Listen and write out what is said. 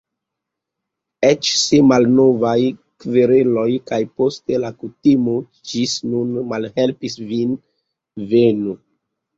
Eĉ se malnovaj kvereloj kaj poste la kutimo ĝis nun malhelpis vin: Venu!